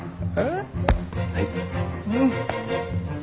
はい。